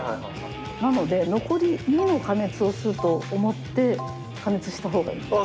なので、残り２の加熱をすると思って加熱したほうがいいんです。